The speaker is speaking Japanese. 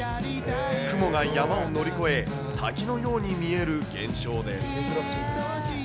雲が山を乗り越え、滝のように見える現象です。